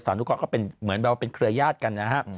สามารถทุกคนก็เป็นเหมือนแบบว่าเป็นเครือยาศกันนะฮะ